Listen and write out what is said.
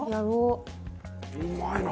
うまいな！